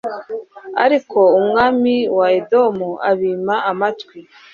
ariko umwami wa edomu abima amatwi